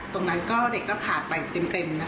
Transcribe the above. ตรงนั้นเด็กก็ผ่านไปเต็มนะคะ